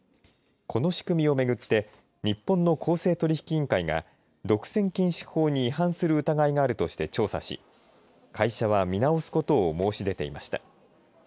この仕組みをめぐって日本の公正取引委員会が独占禁止法に違反する疑いがあるとして調査し会社は見直すことを申し出ていました。